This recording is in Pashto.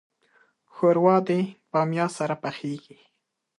ښوروا د بامیا سره پخیږي.